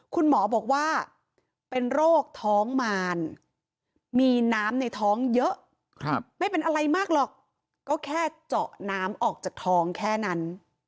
คุณหมอบอกว่าเป็นโรคท้องมารมีน้ำในท้องเยอะไม่เป็นอะไรมากหรอกก็แค่เจาะน้ำออกจากท้องแค่นั้น